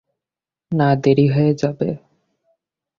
না, দেরি হয়ে যাবে।